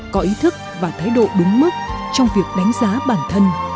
có ý thức và thái độ đúng mức trong việc đánh giá bản thân